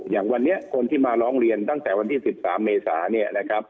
อย่างวันนี้คนที่มาร้องเรียนตั้งแต่วันที่๑๓เมษาเนี่ยนะครับ